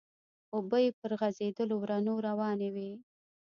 اوبه يې پر غزيدلو ورنو روانې وې.